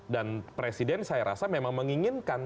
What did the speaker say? dan presiden saya rasa memang menginginkan